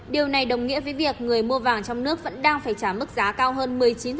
điều này đồng nghĩa với việc người mua vàng trong nước vẫn đang phải trả mức giá cao hơn một mươi chín